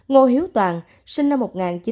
ngô hiếu toàn sinh năm một nghìn chín trăm bảy mươi bảy